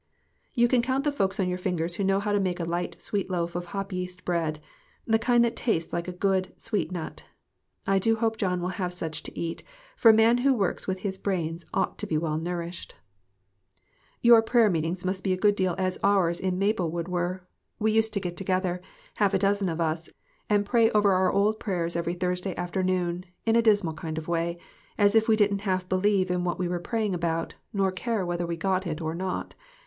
You can count the folks on your fingers who know how to make a light, sweet loaf of hop yeast bread the kind that tastes like a good, sweet nut. I do hope John will have such to eat ; for a man who works with his brains ought to be well nourished. 32 GOOD BREAD AND GOOD MEETINGS. Your prayer meetings must be a good deal as ours in Maplewood were. We used to get together, half a dozen of us, and pray over our old prayers every Thursday afternoon in a dismal kind of way as if we didn't half believe in what we were praying about, nor care whether we got it or not.